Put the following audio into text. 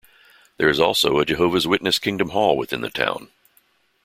There is also a Jehovah's Witness Kingdom Hall within the town.